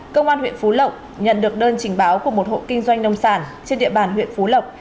công an huyện phú lộc nhận được đơn trình báo của một hộ kinh doanh nông sản trên địa bàn huyện phú lộc